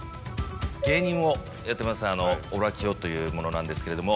芸人をやってますオラキオという者なんですけれども。